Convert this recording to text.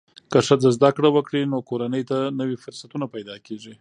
که ښځه زده کړه وکړي، نو کورنۍ ته نوې فرصتونه پیدا کېږي.